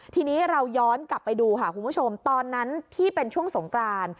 ทีนี้เราย้อนกลับไปดูค่ะคุณผู้ชมตอนนั้นที่เป็นช่วงสงกราน